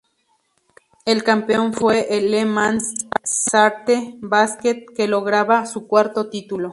El campeón fue el Le Mans Sarthe Basket, que lograba su cuarto título.